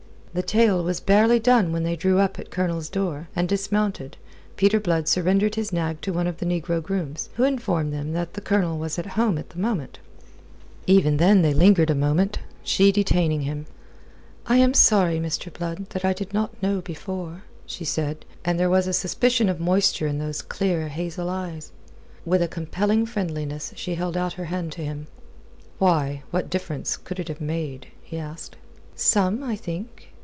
The tale was barely done when they drew up at the Colonel's door, and dismounted, Peter Blood surrendering his nag to one of the negro grooms, who informed them that the Colonel was from home at the moment. Even then they lingered a moment, she detaining him. "I am sorry, Mr. Blood, that I did not know before," she said, and there was a suspicion of moisture in those clear hazel eyes. With a compelling friendliness she held out her hand to him. "Why, what difference could it have made?" he asked. "Some, I think.